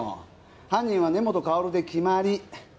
犯人は根本かおるで決まり。